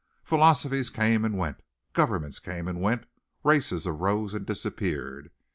Philosophies came and went, governments came and went, races arose and disappeared.